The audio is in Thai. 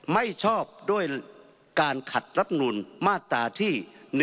ไม่ชอบด้วยการขัดรัฐนูลมาตราที่๑